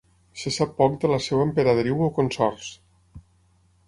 Se sap poc de la seua emperadriu o consorts.